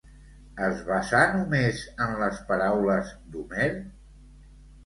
Es basà només en les paraules d'Homer?